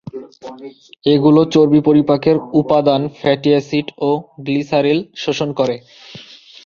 এগুলো চর্বি পরিপাকের উপাদান ফ্যাটি এসিড ও গ্লিসারিল শোষণ করে।